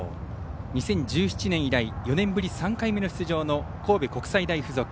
２０１７年以来４年ぶり３回目の出場の神戸国際大付属。